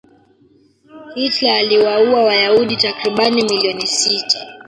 hitler aliwaua wayahudi takribani milioni sita